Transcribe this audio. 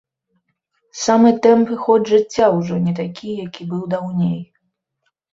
Самы тэмп і ход жыцця ўжо не такі, які быў даўней.